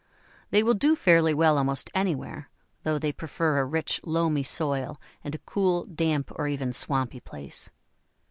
They will do fairly well almost anywhere, though they prefer a rich, loamy soil and a cool, damp, or even swampy place.